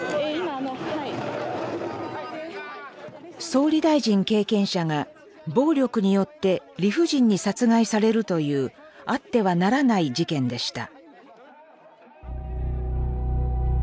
総理大臣経験者が暴力によって理不尽に殺害されるというあってはならない事件でした。